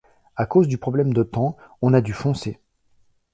À cause du problème de temps, on a dû foncer.